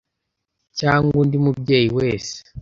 cyangwa undi mubyeyi wese